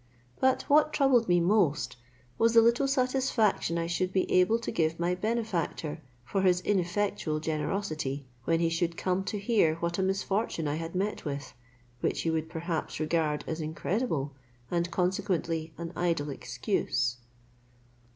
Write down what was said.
But what troubled me most, was the little satisfaction I should be able to give my benefactor for his ineffectual generosity, when he should come to hear what a misfortune I had met with, which he would perhaps regard as incredible, and consequently an idle excuse.